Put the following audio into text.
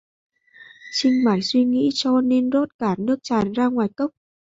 Trinh mải suy nghĩ cho nên rót cả nước tràn ra ngoài cốc